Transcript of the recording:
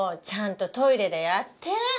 ちゃんとトイレでやって！